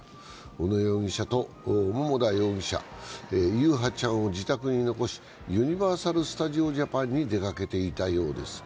小野容疑者と桃田容疑者、優陽ちゃんを自宅に残しユニバーサル・スタジオ・ジャパンに出かけていたようです。